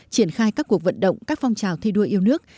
triển khai các cuộc vận động các phong trào thi đua yêu nước